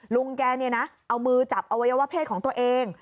ลุงแกเอามือจับอวัยวะเพศของตัวเอง